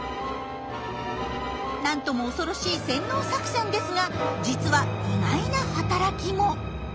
なんとも恐ろしい洗脳作戦ですが実は意外な働きも。